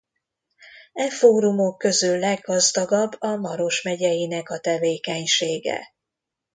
E fórumok közül leggazdagabb a Maros megyeinek a tevékenysége.